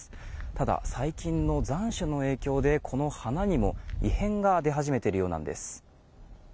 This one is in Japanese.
ただ、最近の残暑の影響でこの花にも異変が出始めているようなんです。